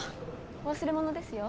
お忘れ物ですよ。